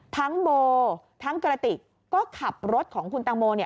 โมทั้งกระติกก็ขับรถของคุณตังโม